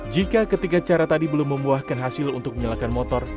jika ketiga cara tadi belum membuahkan hasil untuk menyalakan motor